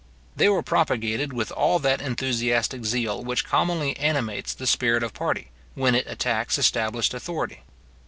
They were propagated with all that enthusiastic zeal which commonly animates the spirit of party, when it attacks established authority.